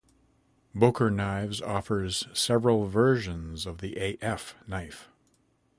Boker Knives offers several versions of the A-F knife.